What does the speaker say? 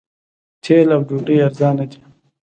تیل او ډوډۍ ارزانه دي.